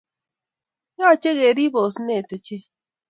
Yache kerib osenet ochei